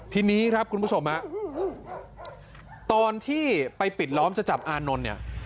ทีนี้ครับคุณผู้ชมฮะตอนที่ไปปิดล้อมจะจับอานนท์เนี่ย